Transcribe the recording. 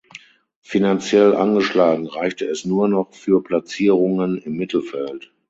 Finanziell angeschlagen reichte es nur noch für Platzierungen im Mittelfeld.